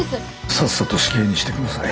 さっさと死刑にしてください。